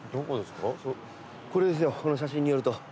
この写真によると。